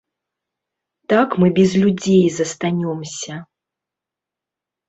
Так мы без людзей застанёмся.